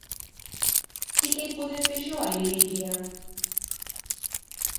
I què hi podré fer jo a Il·líria?